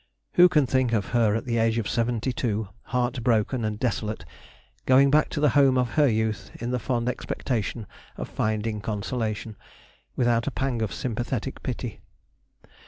Who can think of her, at the age of seventy two, heart broken and desolate, going back to the home of her youth in the fond expectation of finding consolation, without a pang of sympathetic pity?